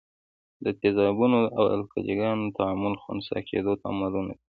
د تیزابونو او القلي ګانو تعامل خنثي کیدو تعاملونه دي.